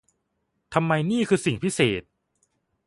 ทำไมนี่คือสิ่งพิเศษ!